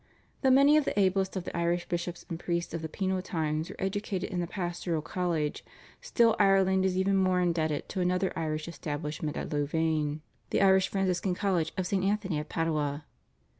Though many of the ablest of the Irish bishops and priests of the penal times were educated in the Pastoral College, still Ireland is even more indebted to another Irish establishment at Louvain, the Irish Franciscan College of St. Anthony of Padua.